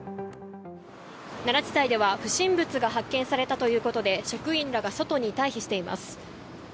奈良地裁では不審物が発見されたということで職員らが外に退避しています。